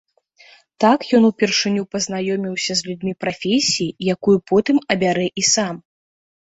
Так ён упершыню пазнаёміўся з людзьмі прафесіі, якую потым абярэ і сам.